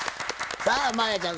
さあ真彩ちゃん